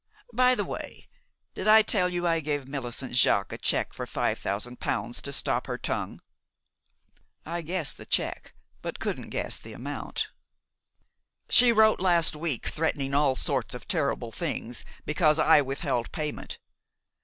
By the way, did I tell you I gave Millicent Jaques a check for five thousand pounds to stop her tongue?" "I guessed the check, but couldn't guess the amount." "She wrote last week, threatening all sorts of terrible things because I withheld payment.